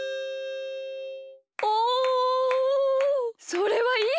それはいい